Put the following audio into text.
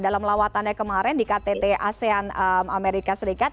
dalam lawatannya kemarin di ktt asean amerika serikat